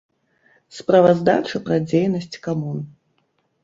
Справаздача пра дзейнасць камун.